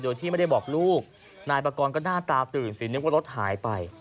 โดยที่ไม่ได้บอกลูกนายปากรก็หน้าตาตื่นสินึกว่ารถหายไป